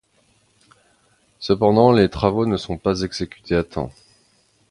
Cependant, les travaux ne sont pas exécutés à temps.